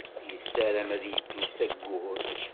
Yessaram ad yeddu s Ayyur.